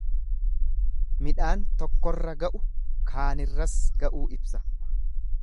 Midhaan tokkorra ga'u kaanirras ga'uu ibsa.